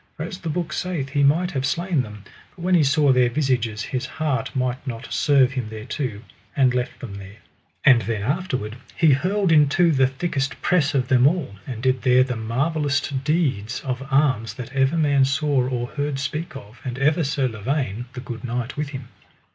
For as the book saith he might have slain them, but when he saw their visages his heart might not serve him thereto, but left them there. And then afterward he hurled into the thickest press of them all, and did there the marvelloust deeds of arms that ever man saw or heard speak of, and ever Sir Lavaine, the good knight, with him.